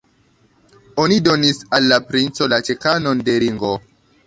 Oni donis al la princo la ĉekanon de Ringo.